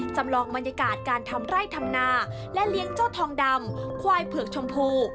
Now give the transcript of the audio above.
จำลองบรรยากาศการทำไร่ทำนาและเลี้ยงเจ้าทองดำควายเผือกชมพู